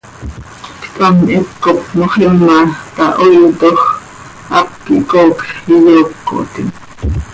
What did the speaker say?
Ctam hipcop moxima tahoiitoj, hap quih coocj iyoocotim.